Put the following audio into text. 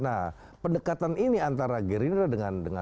nah pendekatan ini antara ger ini dengan pks ini kan